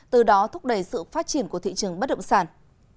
từ đó thúc đẩy sự phát triển của thị trường bất động sản